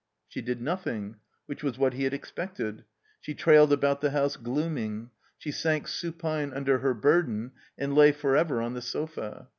She did nothing; which was what he had expected. She trailed about the house, glooming; she sank supine under her burden and lay forever on the sofa.